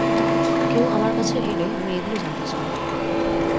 কেউ আমার কাছে এলে, আমি এইগুলি জানতে চাই।